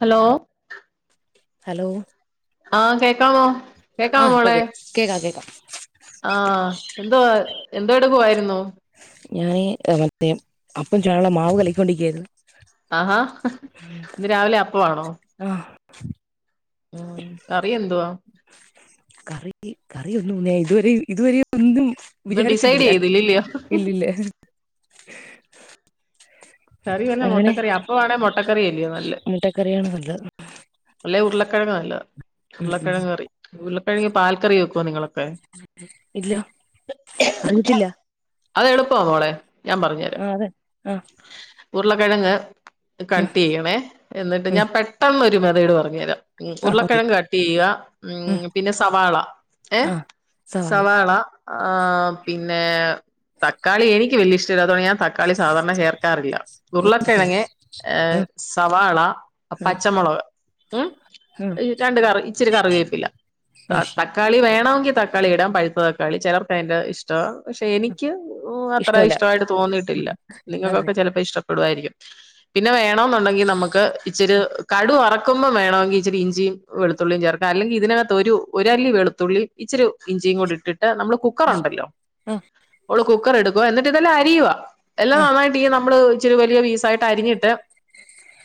Hello hello ആഹ് കേക്കാമോ കേക്കാമോ ആഹ് ഇപ്പൊ മോളെ കേ കേക്കാം കേക്കാം ആഹ് എന്തുവാ എന്തൊടുക്കുവായിരുന്നു ഞാന് ' [inaudible] 'അപ്പം ചുടാന് നുള്ള മാവ് കലക്കിക്കൊണ്ടിരിക്കാരുന്നു ആഹാ ഇന്ന് രാവിലെ അപ്പവാണോ ആഹ് ഉം കറിയെന്തുവാ? കറി കറിഒന്നുംല്ലെ ഇതുവരെ ഇതുവരെഒന്നും ഒന്നും ഡിസൈഡ് വിചാരിച്ചിട്ടില്ല ചെയ്തില്ലല്ലയോ ഇല്ലില്ല അങ്ങനെ കറിവെല്ലോമൊട്ടക്കറി അപ്പവാണേമൊട്ടക്കറിയല്ലിയോ നല്ല ക്കറിയാണ്നല്ലത് അല്ലെ ഉരുളക്കെഴങ്ങ് നല്ലതാ ഉം ഉം ഉരുളക്കെഴങ്ങ്കറി ഉരുളക്കെഴങ്ങ് പാൽക്കറി വെക്കുവൊ നിങ്ങള്? ഇല്ല അറിയത്തില്ല അത്എളുപ്പാമോളെ ഞാൻപറഞ്ഞ് തരാ ആഹ് അതെ ആഹ് ഉരുളക്കെഴങ്ങ് ഉം കട്ടെയ്യെണേ എന്ന്ട്ട് ഉം ഞാൻ പെട്ടെന്നൊരു മെതേട്പറ്ഞ്ഞ് തരാം ഉം ആഹ് ഓക്കെ ഉരുളക്കെഴങ്ങ് കട്ടെയ്യ. ഉം പിന്നെ സവാള ഏഹ് സവാള ആഹ് പിന്നെ തക്കാളിഎനിക്ക് വെല്യഷ്ടല്ലാത്തോണ്ട് ഞാൻത ക്കാളി സാധാരണചേർക്കാറില്ല ഉർളക്കെഴങ്ങ് ഏഹ് ആഹ് സവാള, ആഹ് പച്ചമൊളക് ഉം ആഹ് രണ്ട്കറി ഇച്ചിരികറിവേപ്പില്ല താ ആഹ് തക് ക്കാളി വേണമെങ്കി തക്കാളി ഇടാം പഴുത്ത തക്കാളി ചെലർക്കതിന്റെ ഇഷ്ടവാ പക്ഷെ എനിക്ക് അത്ര ഇഷ്ടല്ല ഇഷ്ടമായിട്ട് തോന്നിയിട്ടില്ല. അങ്ങനെ നിങ്ങക്കൊക്കെ ചെലപ്പ ഇഷ്ടപ്പെടുവായിരിക്കും പിന്നെ വേണോന്നുണ്ടെങ്കി നമുക്ക് ഇച്ചിരി കടു വറ ക്കുമ്പം വേണമെങ്കി ഇച്ചിരി ഇഞ്ചിയും വെളുത്തുള്ളിയും ചേർക്ക, അല്ലെങ്കി ഇതിനകത്ത് ഒരു ഒരല്ലി വെളുത്തുള്ളി ഇച്ചിരി ഇഞ്ചിയും കൂടിട്ടിട്ട് നമ്മള് കുക് കുക്കറുണ്ടല്ലോ ആഹ് ഒര് കുക്കർ എടുക്കുക എന്നിട്ടിതെല്ലാം അരിയുക, എല്ലാം ആഹ് നന്നായി ട്ടീ നമ്മള് ഇച്ചിരി വലിയ പീസായിട്ടരിഞ്ഞിട്ട്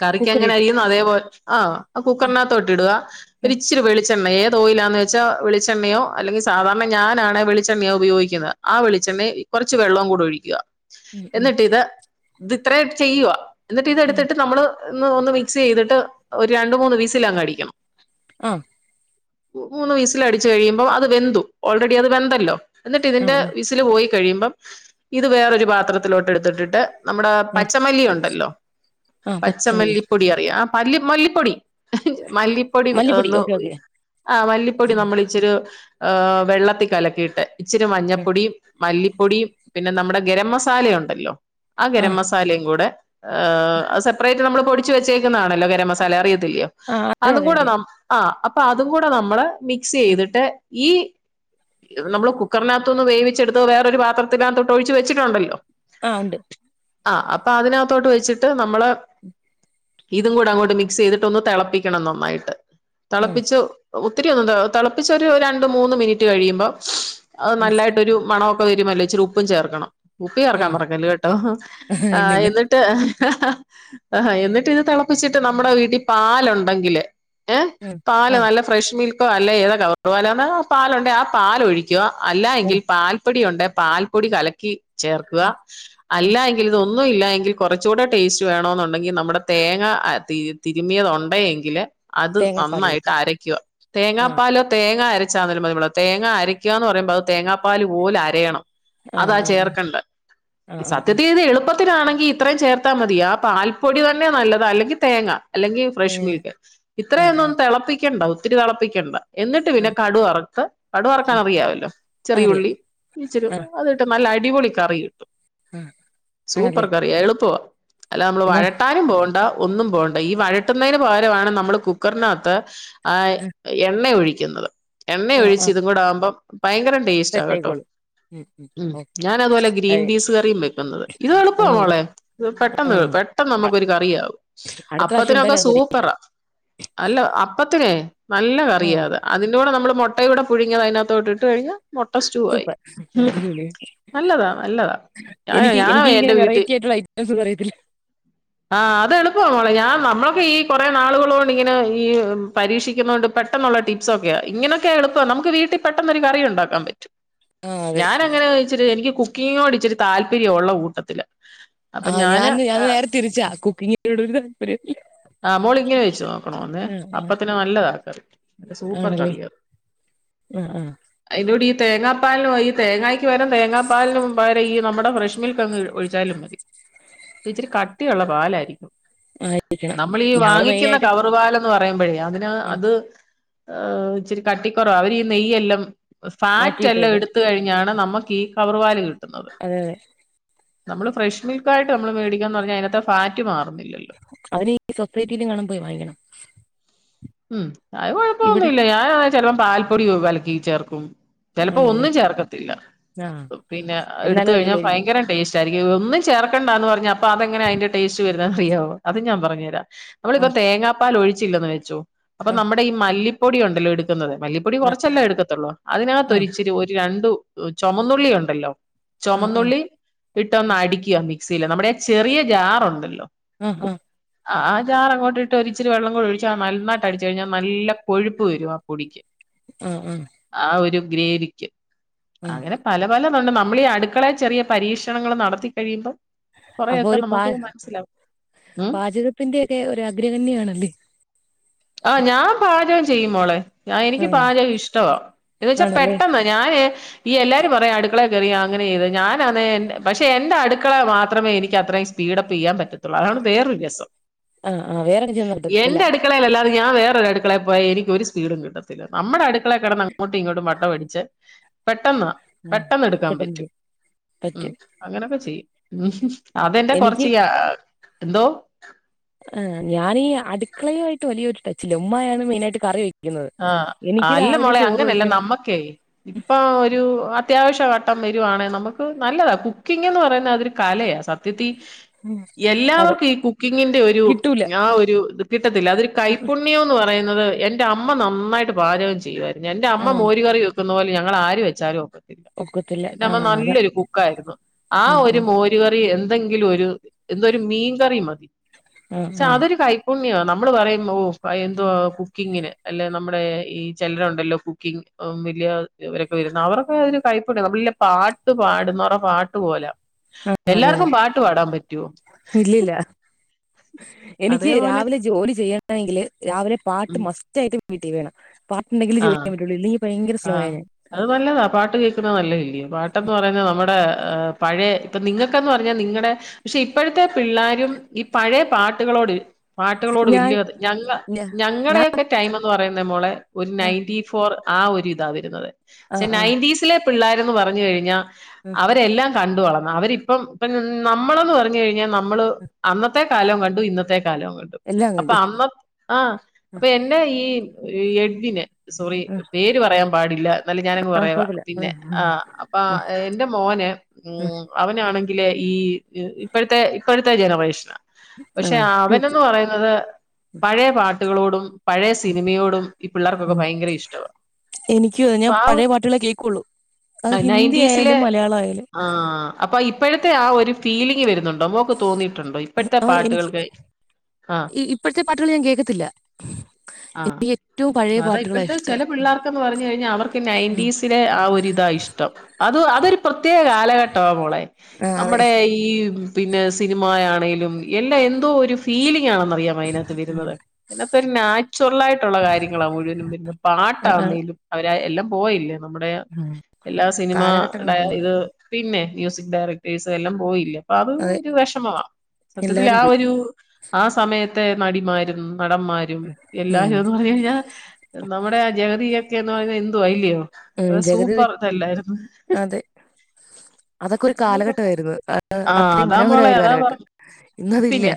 കറിക്കെങ്ങനെ കുക്കറിയിട്ട് അരിയുന്നു അതേപോലെ ആ ആ കുക്കറിനകത്തോട്ടിടുക ഉം ഒരിച്ചിരി വെളിച്ചെണ്ണ ഏ തോയിലാന്ന് വെച്ചാ വെളിച്ചെണ്ണയോ അല്ലെങ്കി സാധാരണ ഞാനാണേ വെളിച്ചെണ്ണയാ ഉപയോഗിക്കുന്നത്. ആ വെളിച്ചെണ്ണയും കൊറച്ച് വെള്ളവും കൂടൊഴിക്കുക ഉം ഉം എന്നിട്ടിത് ത് ത്രേ ഒക്കെ ചെയ്യുവാ ഉം എന്നിട്ടിതെടുത്തിട്ട് നമ്മള് ഇന്ന് ഒന്ന് മിക്സ് ചെയ്തിട്ട് ഒരു രണ്ട് മൂന്ന് വിസിലങ്ങടിക്കണം ആഹ് മൂന്ന് വിസിലടിച്ചു കഴിയുമ്പം അത് വെന്തു. ഓൾറെഡി അത് വെന്തല്ലോ എന്നിട്ടിതിന്റെ ആഹ് വിസില് പോയി കഴിയുമ്പം ഇത് വേറൊരു പാത്രത്തിലോട്ടെടുത്തിട്ടിട്ട് നമ്മുടെ ആഹ് പച്ചമല്ലി ഉണ്ടല്ലോ, ആഹ് പച്ചമല്ലി പച്ചമല്ലിപ്പൊടി അറിയ പല്ലി മല്ലിപ്പൊടി മല്ലിപ്പൊടി മല്ലിപ്പൊടി ഒന്ന് ഓക്കെ ഓക്കെ ആ മല്ലിപ്പൊടി ഉം നമ്മള്ച്ചിരി ഏഹ് വെള്ളത്തി കലക്കിയിട്ട് ഇച്ചിരി ഉം മഞ്ഞപ്പൊടിയും മല്ലിപ്പൊടിയും പിന്നെ നമ്മുടെ ഗരം മസാലയൊണ്ടല്ലോ ആ ഗരം മസാലയും കൂടെ ആഹ് അത് സെപ്പറേറ്റ് നമ്മള് പൊടിച്ച് വെച്ചേക്കുന്നതാണല്ലോ ഗരം മസാല അറിയത്തില്ലയോ, ആ അതെ അതും അതെ കൂടെ അറിയാം നം ആഹ് അപ്പതും കൂടെ നമ്മള് ആ മിക്സെയ്തിട്ട് ഈ ഇത് നമ്മള് കുക്കറിനകത്തോന്ന് വേവിച്ചെടുത്ത് വേറൊരു പാത്രത്തിനകത്തോട്ടൊഴിച്ച് വെച്ചിട്ടുണ്ടല്ലോ ആഹ് ഉണ്ട് ആഹ് അപ്പതിനകത്തോട്ട് വെച്ചിട്ട് നമ്മള് ഇതും കൂടങ്ങോട്ട് മിക് സെയ്തിട്ടൊന്ന് തെളപ്പിക്കണം നന്നായിട്ട്, ആ തെളപ്പിച്ചു ഒത്തിരിയൊന്നും തെ തെളപ്പിച്ചൊരു രണ്ട് മൂന്ന് മിനിറ്റ് കഴിയുമ്പോ അത് ഉം നല്ലായിട്ടൊരു മണം പ്പ വരുമല്ലോ, ഇച്ചിരി ഉപ്പും ചേർക്കണം, ഉപ്പ് ആ ചേർക്കാൻ മറക്കല്ല് കേട്ടോ ആഹ് ഇല്ലില്ല എന്നി ട്ട് അ ഹാ എന്നിട്ടിത് തെളപ്പിച്ചിട്ട് നമ്മുടെ വീട്ടി പാലുണ്ടെങ്കില് ഏഹ് ആ പാല് ആ നല്ല ഫ്രഷ് മിൽക്കോ അല്ല ഏതാ കവറ് പാലാന്നേ ആ പാലുണ്ടേ ആ പാലൊഴി ക്കുവ, അല്ലാ ആ എങ്കിൽ പാൽപ്പൊടി ഉണ്ടേ പാൽപ്പൊടി കലക്കി ചേർക്കുക ആ ആ അല്ലാ എങ്കിൽ ഇതൊ ന്നുഇല്ല എങ്കിൽ കൊറച്ചൂടെ ടേസ്റ്റ് വേണമെന്നുണ്ടെങ്കിൽ നമ്മുടെ തേങ്ങ അ തി തിരുമ്മിയത് ഒണ്ടെ എങ്കില് അത് നന്നായിട്ട് തേങ്ങാപ്പാലൊഴിക്കും അരക്കുക ആ തേങ്ങാപ്പാലോ തേങ്ങ അരച് ച്ചാ മതി തേങ്ങ അരക്കുകാന്ന് പറയുമ്പോ അത് തേങ്ങാപ്പാല് പോലെ അരയണം ആ അതാ ചേർക്കണ്ടേ ആ ആ ഈ ആ ആ സത്യതിതു എളുപ്പ ത്തിനാണെങ്കി ഇത്രയും ചേർത്താ മതിയാ ആ പാൽപ്പൊടി തന്നെയ നല്ലത് അല്ലെങ്കില് തേങ്ങ അല്ലെങ്കിൽ ഏ ഫ്രഷ് മീൽക്ക് ആ ആ ഇത്രയൊന്നും തെളപ്പിക്കണ്ട ഒത്തിരി തെളപ്പിക്കണ്ട എന്നിട്ട് ആ പിന്നെ കടു വറത്ത് കടു വറക്കാൻ അറിയാവല്ലോ? ആ അറിയാം ചെറിയുള്ളി ഇച്ചിരി ആ അത്ട്ട് നല്ല അടിപൊളി കറി കിട്ടും ആ സൂപ്പർ ആണല്ലേ കറിയ എളുപ്പവാ അല്ല നമ്മൾ എന്നാ വഴട്ടാനും പോകണ്ട ഒന്നും പോകണ്ട ഈ വഴട്ടുന്നതിന് പകരമാണ് നമ്മള് കുക്കറിനാത്ത് ആ എണ്ണ ഒഴിക്കുന്നത് എണ്ണ ആ ആ ആ ഒഴിച്ച് ഇതും കൂടെ ആവുമ്പം ഭയങ്കരം ടേസ്റ്റ് ആണ് കേട്ടോ ഉം ഞാനതുപോലെ ഗ്രീൻ പീസ് കറിയും വെക്കുന്നത് ഇത് എളുപ്പവാ ആണ് മോളെ ആ പെട്ടെന്ന് ആവും പെട്ടെന്ന് അ- നമുക്കൊരു കറിയാവും അടുത്ത പ്രാവശ്യം അപ്പത്തിനൊക്കെ എന്തായാലും അത് പരീ സൂപ്പറാ അല്ല അപ്പത്തിനെ നല്ല ആ കറിയാ അത് അതിന്റെ കൂടെ നമ്മള് മുട്ട കൂടെ പുഴുങ്ങിയ അതിനകത്തോട്ട് ഇട്ടു കഴിഞ്ഞ മൊട്ട സ്റ്റൂ ആയി സൂപ്പർ അടിപൊളി നല്ലതാ നല്ലതാ ഞാൻ എനിക്ക് ഞാൻ എനിക്കിങ്ങനെ എന്റെ വീട്ടിൽ വെറൈറ്റി ആയിട്ടുള്ള ഐറ്റംസ് ഒന്നും അറിയത്തില്ല ആ അതെളുപ്പവ മോളെ ഞാൻ നമ്മളൊക്കെ ഈ കൊറെ നാളുകളു കൊണ്ട് ഇങ്ങനെ ഈ പരീക്ഷിക്കുന്ന കൊണ്ട് പെട്ടെന്നുള്ള ടിപ്സൊക്കെയെ ഇങ്ങനൊക്കെ എളുപ്പ നമുക്ക് വീട്ടിൽ പെട്ടെന്നൊരു കറി ഉണ്ടാക്കാൻ പറ്റും ആ അതെ ഞാനങ്ങനെയിച്ചിരി എനിക്ക് കുക്കിങ്ങിനോട് ഇച്ചിരി താല്പര്യവൊള്ള കൂട്ടത്തില ആഹ് ഞാൻ ഞാൻ നേരെ തിരിച്ചാ കുക്കിങ്ങിനോട് ഒര് താല്പര്യല്ല ആഹ് മോളിങ്ങനെ വെച്ച് നോക്കണോ ഒന്നേയ് അപ്പത്തിന് നല്ലതാ കറി, നല്ല സൂപ്പർ കറിയാത് ആഹ് ആഹ് അയ്ന്റുടീ ഈ തേങ്ങാപ്പാലിനോയി ഈ തേങ്ങായ്ക്ക് പകരം തേങ്ങാപ്പാലിനും പകരം ഈ നമ്മുടെ ഫ്രഷ് മിൽക്കങ്ങ് ഒഴിച്ചാലും മതി ഇച്ചിരി കട്ടിയൊള്ള പാലായിരിക്കും ആ [unintelligible] നമ്മളീ ഞങ്ങള് വാങ്ങിക്കുന്ന മെയിനായിട്ട് കവറ് പാലും ന്നു പറയ്മ്പഴെയ് അതിന് ആ അത് ഇച്ചിരി കട്ടിക്കൊറവാ അവര് ഈ നെയ്യെല്ലോം ഫാക്റ്റ് മാറ്റിയിട്ട് എല്ലാം അതെ എട്ത്ത് കഴിഞ്ഞാണ് നമ്മക്ക് ഈ കവറ് പാല് കിട്ട്ന്നത് അതെ അതെ നമ്മള് ഫ്രഷ് മിൽക്കായിട്ട് നമ്മള് മേടിക്കാന്ന് പറഞ്ഞാ അയ്നത്തെ ഫാക്റ്റ് മാറ്ന്നില്ലല്ലോ അതിനീ സൊസൈറ്റീലെങ്ങാണും പോയി വാങ്ങിക്കണം ഉം അത് ഇവിടെ കൊഴപ്പൊന്നുല്ല ഞാൻ ചെലപ്പോ പാൽപ്പൊടി കലക്കി ചേർക്കും ചെലപ്പൊ ആണല്ലേ ഒന്നും ചേർക്കത്തില്ല. ആ പിന്നെ എട്ത്ത് എന്നാലും കഴിഞ്ഞാൽ അടിപൊളിയായിരിക്കും ഭയങ്കര ടെസ്റ്റ് ആയ്രിക്കും ഒന്നും ചേർക്കണ്ടന്ന് പറഞ്ഞ അപ്പൊ അതെങ്ങനെ അതിന്റെ ടേസ്റ്റ് വര്ന്നേ അറിയോ അതും ഞാ പറഞ്ഞ് തരാം ആ നമ്മളിപ്പം തേങ്ങാപ്പാൽ ഒഴിച്ചില്ലെന്ന് വെച്ചോ അപ്പൊ ആ നമ്മടെ ഈ മല്ലിപ്പൊടി ഒണ്ടല്ലോ എടുക്കുന്നത് മല്ലിപ്പൊടി ആ കൊറച്ചല്ലേ എട്ക്കത്തൊള്ളൂ. ആ അതിനകത്തൊരിച്ചിരി ഒര് രണ്ട് ചൊമന്നുള്ളി ഒണ്ടല്ലോ ആ ആ ചൊമന്നുള്ളി ആ ഇട്ടൊന്ന് അടിക്കാ മിക്സ്സീല് നമ്മടെ ആ ചെറിയ ജാറൊണ്ടല്ലോ ആഹ് ആഹ് അ ആഹ് ജാറങ്ങോട്ട് ഇട്ട് ഒരിച്ചിരി വെള്ളം കൂടി ഒഴിച്ചാ നൽന്നായ്- ട്ടടിച്ച് കഴിഞ്ഞാ നല്ല കൊഴുപ്പ് വരും ആ പൊടിക്ക് ആഹ് ആഹ് ആ ഒരു ഗ്രേവിക്ക് ആ അങ്ങനെ പല പലതൊണ്ട് നമ്മളീ അട്ക്കളെ ചെറിയ പരീക്ഷണങ്ങള് നടത്തി കഴിയുമ്പം അപ്പൊ കൊറെയൊക്കെ ഒരു പാ നമുക്കു മനസ്സിലാവും ഉം കുക്കിങ്ങിൻ്റെയൊക്കെ ഒര് അഗ്രകണ്ണിയാണല്ലേ ആഹ് ഞാൻ പാചകം ചെയ്യും മോളെ ഞാ ആ എനിക്ക് പാചകം ഇഷ്ടവാ എന്ന് വെച്ചാ ആണല്ലേ പെട്ടന്നാ - ഞായെ - ഈ എല്ലാരും പറയും അടുക്കളെ കേറിയ അങ്ങനെയ്ത് ഞാനാന്നെ എന്റെ പക്ഷെ എന്റെ അട്ക്കള മാത്രമേ എനിക്ക് അത്രയും സെയ്‌ - സ്പീഡപ്പ്‌ ചെയ്യാൻ പറ്റത്തൊള്ളൂ അതാണ് വേറൊര് രസം. ആഹ് ആഹ് വേറെവടേംചെന്നാ കിട്ടത്തില്ല ട്ക്കളെലല്ലാതെ അത് ഞാൻ വേറൊര് അട്ക്കളെ പോയാ എനിക്ക് ഒര് സ്പീഡും കിട്ടത്തില്ല. നമ്മടെ അട്ക്കളെ കെടന്ന് അങ്ങോട്ടും ഇങ്ങോട്ടും വട്ടോ അടിച്ച് [unintelligible] പെട്ടെന്ന്, ആ പെട്ടെന്ന് എട്ക്കാൻ പറ്റും പെട്ടെന്ന് ഉം പറ്റും അങ്ങനെക്കെ ചെയ്യും. അതെന്റെ എനിക്ക് കൊറച്ചിയാ. എന്തോ? ആഹ് ഞാനീ അട്ക്കളയു ആയിട്ട് വലിയൊര് ടച്ചില്ല. ഉമ്മായാണ് മെയിനായിട്ട് കറി വെക്ക- ആഹ് അല്ല മോളെ അങ്ങനെയല്ല വെക്കണം നമ്മക്കെയ് ഇപ്പൊ ഒരു അത്യാവശ്യഘട്ടം വരുവാണെ നമ്മക്ക് നല്ലതാ കുക്കിംഗ്‌ന്ന് പറയുന്നെ അതൊരു കലയാ സത്- സത്യത്തീ ഉം. അതെ എല്ലാവർക്കും ഈ കുക്കിങ്ങിന്റെ ഒരു കിട്ടൂല ആ ഒരു കിട്ടത്തില്ല അതൊരു കൈപ്പുണ്യ - ഉം കൈപ്പുണ്യോന്ന് പറയുന്നത് എന്റെ അമ്മ നന്നായിട്ട് പാചകം ചെയ്യ്യായിര്ന്ന് എന്റെ ആ അമ്മ മോര്കറി വെ- വെക്കുന്നപോലെ ഞങ്ങളാര് വെച്ചാലും ഒക്കത്തില്ല. ഒക്കത്തില്ല ആ എന്റമ്മ അതാ നല്ലൊരു കുക്കായ്ര്ന്നു ആ ഒര് മോര് മോര്കറി എന്തെങ്കിലൊരു എന്തൊര് മീൻകറി മതി. ആ ച്ച ആ അതൊര് കൈ - പുണ്യ നമ്മള് പറയും ഓഹ് എന്തുവാ കുക്കിങ്ങിന് അല്ലെ നമ്മടെ ഈ ചിലരൊണ്ടല്ലോ കുക്കിംഗ് ഉം വല്ല്യ വരൊക്കെവര്ന്ന അവരൊക്കെ അതൊര് കൈപുണ്യമാ നമ്മ - പാട്ട് പാട്ന്നോർടെ പാട്ട് പോലാ എല്ലാർക്കും പാട്ട് പാടാൻ പറ്റോ ഇല്ലില്ലാ എനിക്ക് അതേപോലെ രാവിലെ ജോലി ചെയ്യണെങ്കില് രാവിലെ പാട്ട് ഉം മസ്റ്റ് ആയിട്ട് വീട്ടി വേണം പാട്ട്ണ്ടെങ്കിലെ ആ ജോലി ചെയ്യാൻ പറ്റ്ള്ളൂ ഇല്ലങ്കി ഭയര സ്ലോയാ ആഹ് ഞാൻ. അത് നല്ലതാ പാട്ട് കേൾക്കുന്നത് നല്ലയല്ലിയോ പാട്ടെന്ന് പറയുന്നത് നമ്മുടെ പഴയ നിങ്ങൾക്കന്ന് പറഞ്ഞാൽ നിങ്ങളുടെ പക്ഷെ ഇപ്പോഴത്തെ പിള്ളേരും ഈ പഴയ പാട്ടുകളോട് പാട്ടുകളോട് ഞാൻ വലിയ ഞങ്ങ ഞാൻ ഞാ- ഞങ്ങടെയൊക്കെ ടൈം എന്ന് പറയുന്ന മോളെ ഒരു ഞാൻ ആ നയന്റി ഫോർ ആ ഒരു ഇതാ വരുന്നത് ആ പക്ഷെ ആ നയൻറ്റീസിലെ പിള്ളേരന്ന് പറഞ്ഞു കഴിഞ്ഞാൽ ഉം അവരെല്ലാം കണ്ടു വളർന്നത അവരിപ്പം ഇപ്പ നമ്മളന്ന് പറഞ്ഞു കഴിഞ്ഞാൽ നമ്മള് അന്നത്തെ കാലവും കണ്ടു ഇന്നത്തെ കാലവും കണ്ടു എല്ലാം അപ്പ കണ്ടു അന്ന് ആഹ അപ്പൊ എന്റെ ഈ എട്ടിനെ സോറി ഉം പേര് ഉം പറയാൻ പാടില്ല എന്നാലും ഞാനങ്ങ് ആ പറയുവാ കുഴപ്പമില്ല പിന്നെ പറഞ്ഞോ ആ ഉം അപ്പ ഉം എന്റെ മോന് ഉ ഉം അവനാണെങ്കില് ഈ ഇപ്പോഴത്തെ ഇപ്പോഴത്തെ ജനറേഷന ആ പക്ഷെ ടൂക്കി അവൻന്ന് പറയുന്നത് പഴയ പാട്ടുകളോടും പഴയ സി മയോടും ഈ പിള്ളേർക്കൊക്കെ ഉം ഭയങ്കര ഇഷ്ടവാ എനിക്ക് ഞാൻ അപ്പൊ ആ പഴയ ഒരു പാട്ടുകളെ കേൾക്കുള്ളു അത് ഹിന്ദി ആയാലും മലയാളം ആയാലും ആഹ് അപ്പൊ ഇപ്പോഴത്തെ ആ ഒരു ഫീലിംങ് വരുന്നുണ്ടോ മോക്ക് തോന്നിയിട്ടുണ്ടോ ഇപ്പഴത്തെ ആ എനിക്ക് പാട്ടുകൾക്ക് ആഹ് ഇ- ഇപ്പോഴത്തെ പാട്ടുകൾ ഞാൻ കേൾക്കത്തില്ല ആഹ് എനിക്ക് ഏറ്റവും പഴയ അതാ പാട്ടുകളാണ് ഇപ്പോഴത്തെ ഇഷ്ടം ചില പിള്ളേർക്കന്ന് പറഞ്ഞു കഴിഞ്ഞാൽ അവർക്ക് നയന്റീസിലെ ആ ഒരിതാ ഇഷ്ടം അത് അതൊരു പ്രത്യേക കാലഘട്ടമാ മോളെ ആ അതെ നമ്മുടെ ഈ ഈ പിന്നെ സിനിമയാണെലും എല്ലാം എന്തോ ഒരു ഫീലിംങ് ആണെന്ന്റിയാം അതിനകത്ത് ഉം വരുന്നത് ഇതിനകത്തൊ ഒരു നാച്ചുറൽ ആയിട്ടുള്ള കാര്യങ്ങളാണ് മുഴുവനും വരുന്നത് ആ, ആ, പാട്ടാന്നേലും അവരെ എല്ലാം പോയി നമ്മുടെ ഉം എല്ലാ സിനിമയുടെ കാലഘട്ടങ്ങളൊക്കെ മാറി ഇത് പിന്നെ മ്യൂസിക് ഡയറക്ടേഴ്സ് എല്ലാം പോയില്ലേ അപ്പൊ അത് അതെ ഒരു വിഷമമാ സത്യത്തില് എല്ലാരും ആ പോയി ഒരു ആ സമയത്തെ നടിമാരും നടന്മാരും ഉം എല്ലാരും അതു [unintelligible] നമ്മുടെ ആ ജഗതിയൊക്കെ എന്ന് പറയുന്നത് എന്തുവാ അല്ലയോ ഉം ജഗതി അതെ അതൊക്കെ ഒരു കാലഘട്ടവായിരുന്നു ആഹ് അത്രയും അതാ മോളെ മനോഹരമായ ഒരു അതാ കാലഘട്ടം പറഞ്ഞെ ഇന്നതില്ല പിന്നെ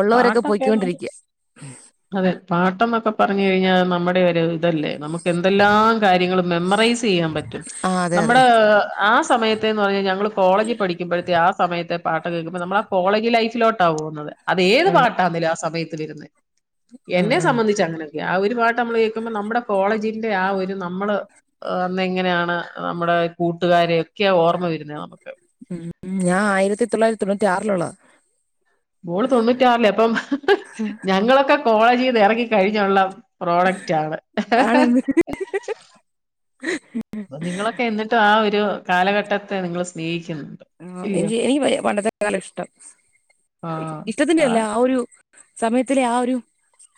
ഉള്ളോരൊക്കെ പാട്ടൊക്കെന്ന് പറഞ്ഞ പോയ്ക്കൊണ്ടിരിക്ക്യാ അതെ പാട്ടന്നൊക്കെ പറഞ്ഞു കഴിഞ്ഞാ നമ്മുടെ ഒരു ഇതല്ലേ നമുക്ക് എന്തെല്ലാം കാര്യങ്ങളും മെമ്മറൈസയ്യാൻ പറ്റും ആ അതെ അതെ നമ്മുടെ ആ സമയത്ത് [unintelligible] പറഞ്ഞ ഞങ്ങള് കോളേജ് പഠിക്കുമ്പോഴത്തെ ആ സമയത്തെ പാട്ടകെ കേൾക്കുമ്പോ നമ്മള ആ കോളേജ് ലൈഫിലോട്ടാ പോകുന്നത് അത് ഏത് ആണ് പാട്ടാന്നലേ ആ സമയത്ത് വരുന്നത് ആ എന്നെ ആ സംബന്ധിച്ച അങ്ങനെ യാ ഒരു പാട്ട് നമ്മൾ കേൾക്കുമ്പോ നമ്മുടെ കോളേജിന്റെ ആ ഒരു നമ്മള് അന്ന് എങ്ങനെയാണ് നമ്മുടെ കൂട്ടുകാരൊക്കെ ഓർമ്മ വരുന്നത് നമുക്ക് ഉം ഞാൻ ആയിരത്തിതൊള്ളായിരത്തി തൊണ്ണൂറ്റി ആറിലുള്ളതാ മോള് തൊണ്ണൂറ്റിയാറിലയാ അപ്പം ഞങ്ങളൊക്കെ കോളേജിന്ന് ഇറങ്ങി കഴിഞ്ഞുള്ള പ്രോഡക്റ്റ് ആണ് ആണെന്ന് അപ്പ നിങ്ങളൊക്കെ എന്നിട്ടും ആ ഒരു കാലഘട്ടത്തെ നിങ്ങൾ സ്നേഹിക്കുന്നു ആ എനി എനിക്ക് പണ്ടത്തെ കാല ഇഷ്ടം ഇഷ്ടത്തിന്റെ അല്ല ആ ഒരു സമയത്തിലെ ആ ഒരു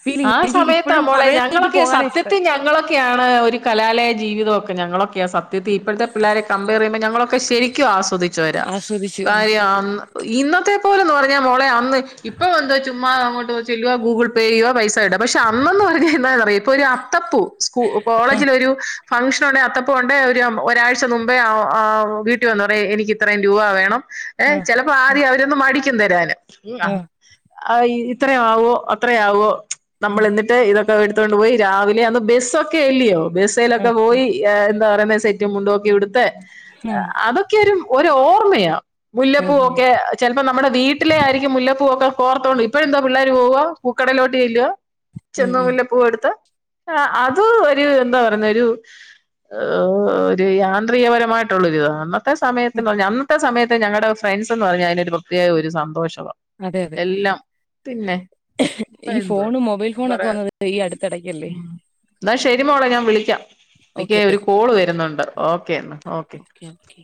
ഫീലിംഗ് ആ എനിക്ക് ഇപ്പോഴും സമയത്താമോളെ പഴയതോട്ട് ഞങ്ങളൊക്കെ പോകാനാ ഇഷ്ടം സത്യത്തിൽ ഞങ്ങളൊ ക്കെയാണ് ഒരു കലാലയ ജീവിതമൊക്കെ ഞങ്ങളൊക്കെയാ സ ത്യം ഇപ്പോഴത്തെ പിള്ളേരെ കമ്പയറെയ്യുമ്പോ ഞങ്ങളൊക്കെ ശരിക്കും ആസ്വദിച്ചവരാ ആസ്വദിച്ച് ആ കാര്യം അന്ന് ഇന്നത്തെ പോലെന്ന് പറഞ്ഞാ മോളെ അന്ന് ഇപ്പൊ എന്താ ചുമ്മാ അങ്ങോട്ട് ചെല്ലുക ഗൂഗിൾ പേ ചെയ്യുക പൈസ ഇട പക്ഷെ അന്നന്ന് പറഞ്ഞാ എന്താന്നറിയോ ഇപ്പൊ ഒരു അത്തപ്പൂ സ്കൂ കോളേജിൽ ഒരു ഫംഗ്ഷൻ ഉണ്ടെ അത്തപ്പൂവ്ണ്ടേ ഒരു ഒരാഴ്ച മുമ്പേ വീട്ടി വന്ന് പറ എനിക്ക് ഇത്രയും രൂപ വേണം ഏ ആ ചെല പ ആ ആദ്യ അവരൊന്ന് മടിക്കും തരാന് ആ ഇത്രയാവോ അത്രയാവോ നമ്മൾ എന്നിട്ട് ഇതൊക്കെ എടുത്തൊണ്ട് പോയി രാവിലെ അന്ന് ബസ്സൊക്കെ അല്ലിയോ ആ ബസ്സേലൊക്കെ പോയി എന്താ പറയുന്നെ സെറ്റും മുണ്ടുക്കെ ഉടുത്ത് ആ അതൊക്കെരു ഒരു ഓർമ്മയാ ആ ആ, മുല്ലപ്പൂവൊക്കെ ചിലപ്പോ നമ്മുടെ വീട്ടിലെ ആയിരിക്കും മുല്ലപ്പൂവൊക്കെ കോർത്തോണ്ട് ഇപ്പഴ എന്താ പിള്ളേർ പോവ പൂക്കടയിലോട്ട് ചെല്ലുവ ഉം ചെന്ന് ഉം മുല്ല പൂവെടുത്ത് ആ അത് ഒരു എന്താ പറയുന്ന ഒരു ഒരു യാന്ത്രികപരമായിട്ടുള്ളൊരിതാ കാര്ണം ത്തെ സമയത്ത് ഉം. പറഞ്ഞ അന്നത്തെ സമയത്ത് ഞങ്ങളുടെ ഫ്രണ്ട്സ് എന്ന് പറഞ്ഞാ അതിനൊരു പ്രത്യേക ഒരു സന്തോഷവാ അതെ അതെ എല്ലാം പിന്നെ ഇപ്പ ഈ എന്ത്‌ ഫോണ് മൊബൈൽ ഫോണൊക്കെ കൊറെ വന്നത് ഈ അടുത്തിടയ്ക്കല്ലേ എന്നാ ശരിമോളെ ഞാൻ വിളിക്കാം നിക്ക് ഓക്കെ ഒരു കോള് വരുന്നുണ്ട് ഓക്കേന്ന ഓക്കെ യോക്കെ